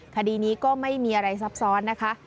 คดีนี้ก็ไม่มีอะไรซับซ้อนนะคะ